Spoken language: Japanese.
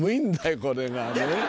これがね。